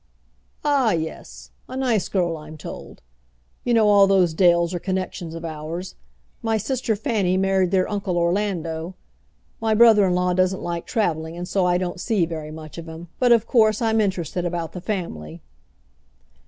"Ah, yes; a nice girl, I'm told. You know all those Dales are connections of ours. My sister Fanny married their uncle Orlando. My brother in law doesn't like travelling, and so I don't see very much of him; but of course I'm interested about the family."